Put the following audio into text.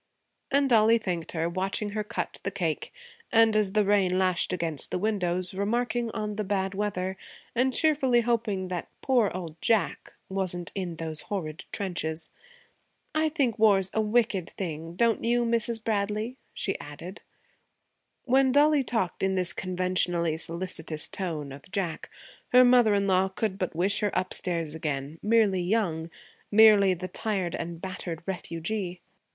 And Dollie thanked her, watching her cut the cake, and, as the rain lashed against the windows, remarking on the bad weather and cheerfully hoping that 'poor old Jack' wasn't in those horrid trenches. 'I think war's a wicked thing, don't you, Mrs. Bradley?' she added. When Dollie talked in this conventionally solicitous tone of Jack, her mother in law could but wish her upstairs again, merely young, merely the tired and battered refugee.